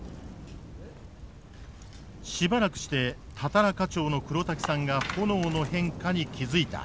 しばらくしてたたら課長の黒滝さんが炎の変化に気付いた。